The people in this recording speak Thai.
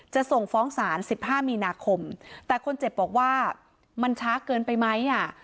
จะส่งฟ้องศาลสิบห้ามีนาคมแต่คนเจ็บบอกว่ามันช้าเกินไปไหมอ่ะ